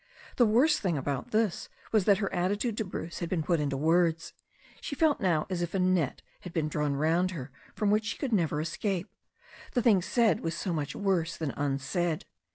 The worst thing about this was that her attitude to Bruce had been put into words. She felt now as if a net had been drawn round her from which she could never es cape. The thing said was so much worse than tmsaid.